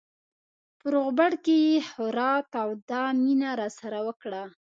په روغبړ کې یې خورا توده مینه راسره وکړه.